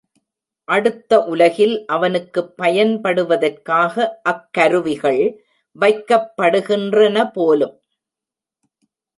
அடுத்த உலகில் அவனுக்குப் பயன்படுவதற்காக அக்கருவிகள் வைக்கப்படுகின்றனபோலும்.